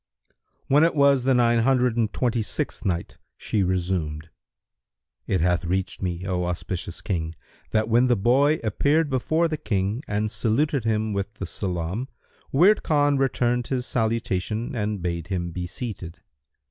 When it was the Nine Hundred and Twenty sixth Night, She resumed: It hath reached me, O auspicious King, that when the boy appeared before the King and saluted him with the salam, Wird Khan returned his salutation and bade him be seated.